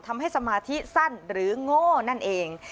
ทำให้สมาธิสั้นหรือโง่นั่นเอง